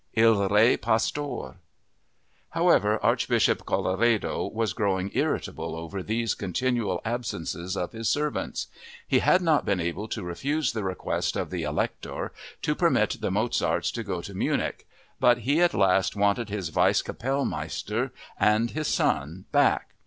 Il Re pastore However, Archbishop Colloredo was growing irritable over these continual absences of his servants. He had not been able to refuse the request of the Elector to permit the Mozarts to go to Munich but he at last wanted his Vice Kapellmeister and son back.